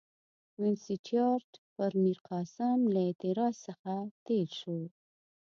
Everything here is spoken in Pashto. وینسیټیارټ پر میرقاسم له اعتراض څخه تېر شو.